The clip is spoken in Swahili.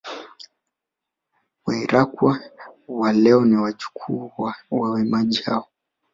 Wairaqw wa leo ni wajukuu wa wahamiaji hao